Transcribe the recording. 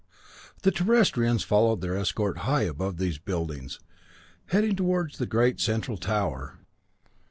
V The Terrestrians followed their escort high above these great buildings, heading toward the great central tower.